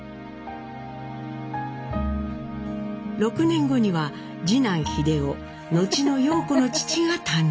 ６年後には次男英夫後の陽子の父が誕生。